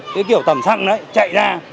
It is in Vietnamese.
cái kiểu tẩm xăng đấy chạy ra